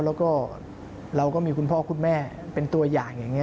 แล้วก็เราก็มีคุณพ่อคุณแม่เป็นตัวอย่างอย่างนี้